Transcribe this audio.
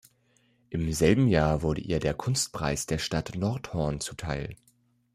Im selben Jahr wurde ihr der Kunstpreis der Stadt Nordhorn zuteil.